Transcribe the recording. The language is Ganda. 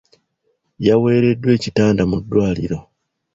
Yaweereddwa ekitanda mu ddwaliro.